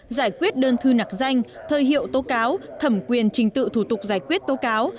giải quyết đơn thư nạc danh thơ hiệu tố cáo thẩm quyền trình tự thủ tục giải quyết tố cáo